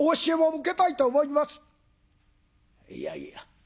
「いやいや。